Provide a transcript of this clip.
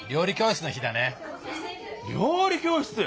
料理教室！？